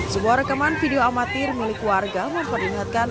sebuah rekaman video amatir milik warga memperingatkan